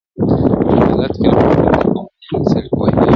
په مالت کي را معلوم دی په مین سړي پوهېږم؛